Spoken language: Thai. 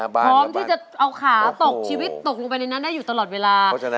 พร้อมที่จะเอาขาตกชีวิตตกลงไปในนั้นได้อยู่ตลอดเวลา